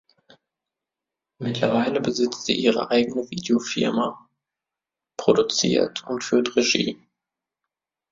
Mittlerweile besitzt sie ihre eigene Video-Firma, produziert und führt Regie.